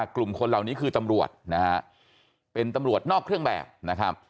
กลุ่มคนเหล่านี้คือตำรวจนะฮะเป็นตำรวจนอกเครื่องแบบนะครับ